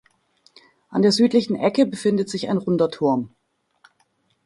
An der südlichen Ecke befindet sich ein runder Turm.